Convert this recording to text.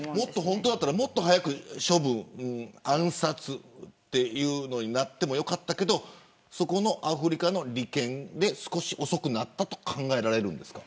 本当だったらもっと早く処分暗殺というのになっていてもよかったけどアフリカの利権で少し遅くなったと考えられるんですか。